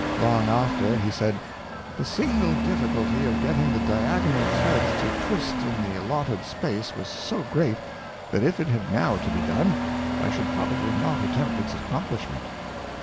Long after, he said: *' The single difficulty of getting the diagonal threads to twist in the allotted space was so great, that if it had now to be done, I should probably not attempt its accomplishment."